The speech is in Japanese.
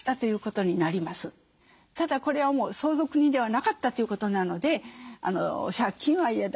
ただこれはもう相続人ではなかったということなので借金は嫌だ。